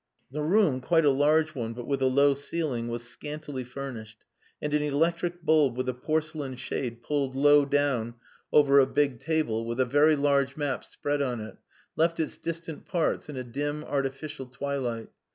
The room, quite a large one, but with a low ceiling, was scantily furnished, and an electric bulb with a porcelain shade pulled low down over a big table (with a very large map spread on it) left its distant parts in a dim, artificial twilight.